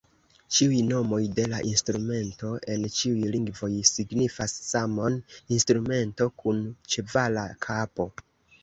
Ĉiuj nomoj de la instrumento en ĉiuj lingvoj signifas samon: "instrumento kun ĉevala kapo".